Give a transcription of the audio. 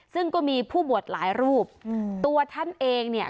ซึ่งก็มีผู้บวชหลายรูปอืมตัวท่านเองเนี่ย